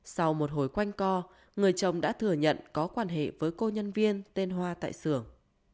sau một hồi quanh co người chồng đã thừa nhận có quan hệ với cô nhân viên tên hoa tại xưởng